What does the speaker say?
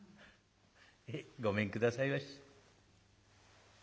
ごめんくださいまし」。